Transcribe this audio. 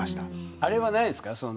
あれは、ないですか。